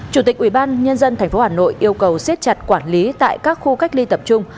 chủ tịch ubnd tp hà nội yêu cầu siết chặt quản lý tại các khu cách ly tập trung